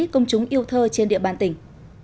công chúng yêu thơ trên địa bàn tỉnh